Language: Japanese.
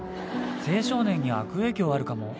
青少年に悪影響あるかも。